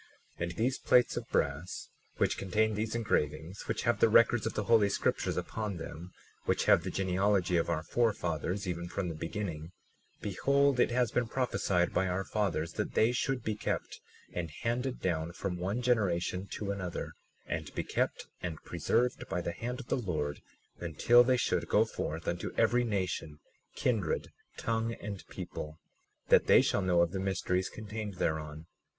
37:3 And these plates of brass, which contain these engravings, which have the records of the holy scriptures upon them, which have the genealogy of our forefathers, even from the beginning— 37:4 Behold, it has been prophesied by our fathers, that they should be kept and handed down from one generation to another, and be kept and preserved by the hand of the Lord until they should go forth unto every nation, kindred, tongue, and people, that they shall know of the mysteries contained thereon.